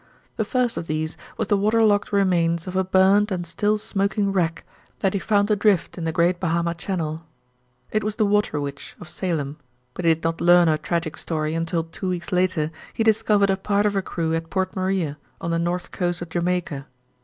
The first of these was the water logged remains of a burned and still smoking wreck that he found adrift in the great Bahama channel. It was the Water Witch, of Salem, but he did not learn her tragic story until, two weeks later, he discovered a part of her crew at Port Maria, on the north coast of Jamaica.